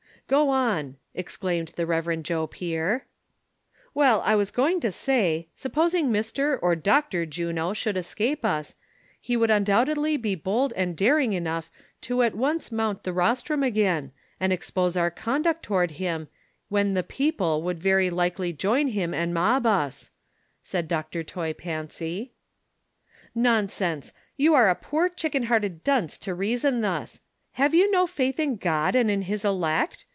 " Go on," exclaimed the Eev. Joe Pier. "Well, I was going to say, supposing Mr. or Dr. Juno should escape us, he would undoubtedly be bold and daring enough to at once mount the rostrum again, and expose our conduct toward him, when ' the people ' would very likely join him and mob us," said Dr. Toy Pancy. "i^onsense! you are a poor chicken hearted dunce to reason thus. Plave you no faith in God and in his elect